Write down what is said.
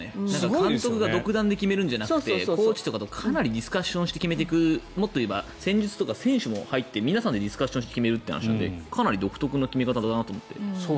監督が独断で決めるんじゃなくてコーチとかとかなりディスカッションして決めていくもっと言えば戦術選手も入って皆さんとディスカッションして決めるので、独特だなって。